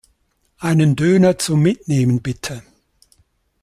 Einen Döner zum Mitnehmen bitte.